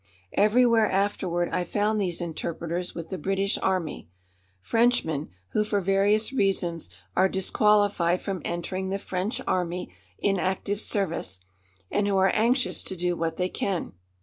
Everywhere afterward I found these interpreters with the British Army Frenchmen who for various reasons are disqualified from entering the French Army in active service and who are anxious to do what they can.